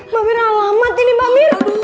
mbak mir alamat ini mbak mir